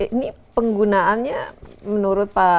ini penggunaannya menurut anda